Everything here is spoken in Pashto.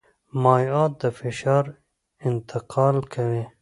مایعات د فشار انتقال کوي.